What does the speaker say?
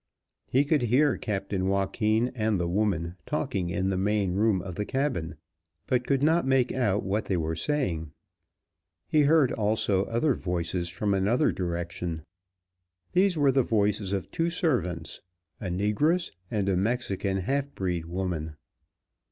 He could hear Captain Joaquin and the woman talking in the main room of the cabin, but could not make out what they were saying. He heard also other voices from another direction. These were the voices of two servants, a negress and a Mexican half breed woman.